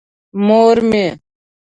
مور مې.